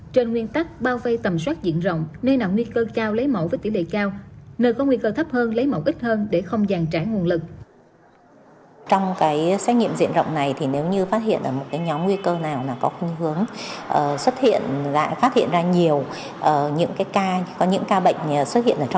trên nguyên tắc bao vây tầm soát diện rộng nơi nào nguy cơ cao lấy mẫu với tỷ lệ cao